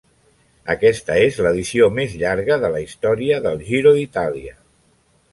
Aquesta és l'edició més llarga de la història del Giro d'Itàlia.